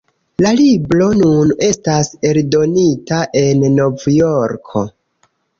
La libro nun estas eldonita en Novjorko.